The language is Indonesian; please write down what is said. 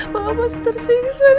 mama masih tersingkir sistem